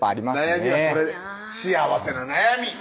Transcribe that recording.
悩みはそれ幸せな悩み！